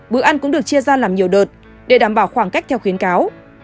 bữa ăn cũng được chia ra làm nhiều đợt để đảm bảo khoảng cách theo khuyến cáo